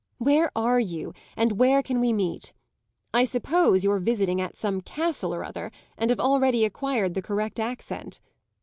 Where are you and where can we meet? I suppose you're visiting at some castle or other and have already acquired the correct accent.